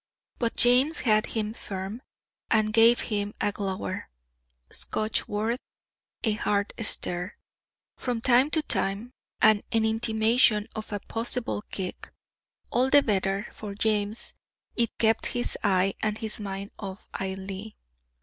But James had him firm, and gave him a glower (Scotch word a hard stare) from time to time, and an intimation of a possible kick; all the better for James, it kept his eye and his mind off Ailie.